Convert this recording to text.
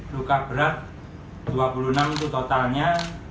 luka berat dua puluh enam itu totalnya